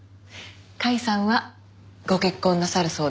甲斐さんはご結婚なさるそうですね。